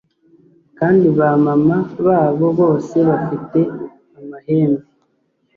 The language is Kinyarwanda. kandi ba mama babo bose bafite amahembe